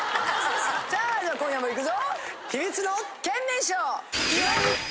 さあでは今夜もいくぞ！